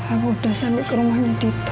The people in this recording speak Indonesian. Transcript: aku udah sampe ke rumah nidito